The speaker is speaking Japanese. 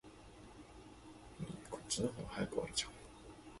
おさきにしつれいします